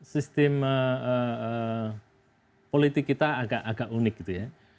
sistem politik kita agak agak unik gitu ya